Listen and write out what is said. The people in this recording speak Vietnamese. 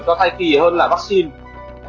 cho thai kỳ hơn là vaccine